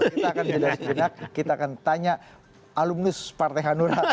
kita akan jeda sejenak kita akan tanya alumnus partai hanura